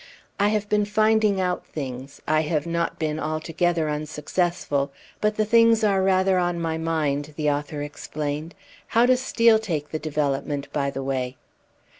"I have been finding out things I have not been altogether unsuccessful but the things are rather on my mind," the author explained. "How does Steel take the development, by the way?"